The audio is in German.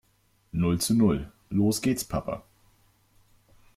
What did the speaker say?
Null zu null. Los geht's Papa!